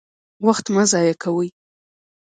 وخت مه ضایع کوئ